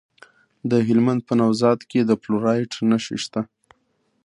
د هلمند په نوزاد کې د فلورایټ نښې شته.